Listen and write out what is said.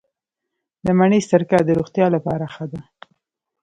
د مڼې سرکه د روغتیا لپاره ښه ده.